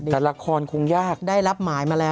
แต่ละครคงยากได้รับหมายมาแล้ว